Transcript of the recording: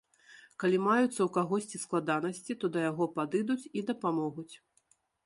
Калі маюцца ў кагосьці складанасці, то да яго падыдуць і дапамогуць.